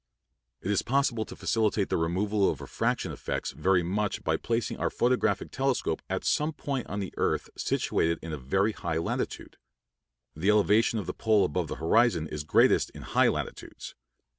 It is possible to facilitate the removal of refraction effects very much by placing our photographic telescope at some point on the earth situated in a very high latitude. The elevation of the pole above the horizon is greatest in high latitudes.